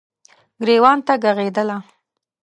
ګریوان ته ږغیدله